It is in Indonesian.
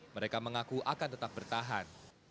mereka mengaku akan tetap bertahan